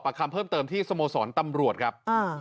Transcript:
คำเพิ่มเติมที่สโมสรตำรวจครับ